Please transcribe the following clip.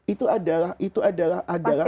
itu adalah itu adalah